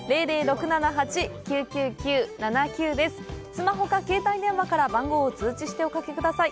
スマホか携帯電話から番号を通知しておかけください。